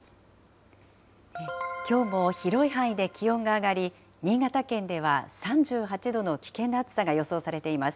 きょうも広い範囲で気温が上がり、新潟県では３８度の危険な暑さが予想されています。